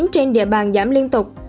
trên địa bàn giảm liên tục